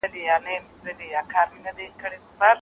بيله اړتيا شی به ئې هم نه وي رانيولی